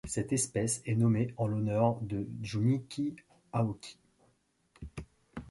Cette espèce est nommée en l'honneur de Junichi Aoki.